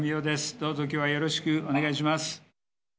どうぞきょうはよろしくお願いします。